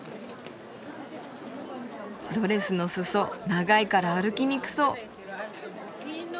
ドレスの裾長いから歩きにくそう。